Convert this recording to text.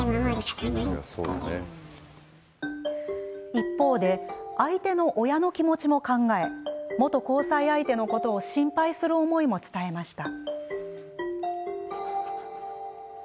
一方で、相手の親の気持ちも考え元交際相手のことを心配する思いも伝えました。